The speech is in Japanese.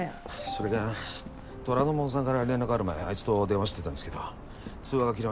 それが虎ノ門さんから連絡ある前あいつと電話してたんですけど通話が切れました。